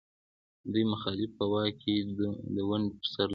د دوی مخالفت په واک کې د ونډې پر سر دی.